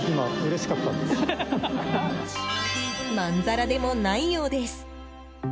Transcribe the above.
まんざらでもないようです。